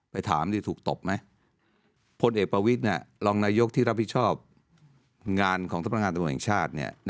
ไปถามถูกตบไหมพลเอกประวิทย์รองนายกที่รับผิดชอบงานของสำนักงานตำรวจแห่งชาติ